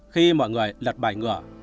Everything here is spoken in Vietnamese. khi mọi người lật bài ngựa